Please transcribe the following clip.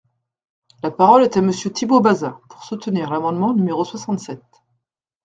La parole est à Monsieur Thibault Bazin, pour soutenir l’amendement numéro soixante-sept.